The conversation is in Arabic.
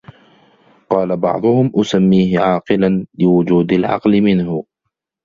فَقَالَ بَعْضُهُمْ أُسَمِّيهِ عَاقِلًا ؛ لِوُجُودِ الْعَقْلِ مِنْهُ